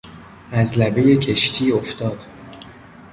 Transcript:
از لبهی کشتی افتاد.